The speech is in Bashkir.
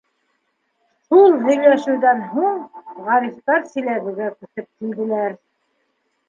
Шул һөйләшеүҙән һуң Ғарифтар Силәбегә күсеп килделәр.